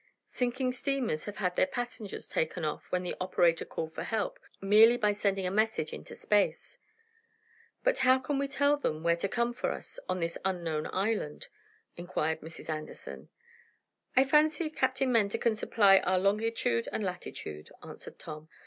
Sinking steamers have had their passengers taken off when the operator called for help, merely by sending a message into space." "But how can we tell them where to come for us on this unknown island?" inquired Mrs. Anderson. "I fancy Captain Mentor can supply our longitude and latitude," answered Tom.